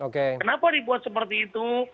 kenapa dibuat seperti itu